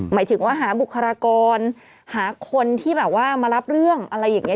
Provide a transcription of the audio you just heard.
หมายถึงว่าหาบุคลากรหาคนที่แบบว่ามารับเรื่องอะไรอย่างนี้